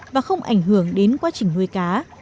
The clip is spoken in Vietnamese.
và không ảnh hưởng đến quá trình nuôi cá